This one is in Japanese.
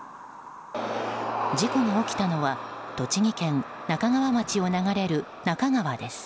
事故が起きたのは栃木県那珂川町を流れる那珂川です。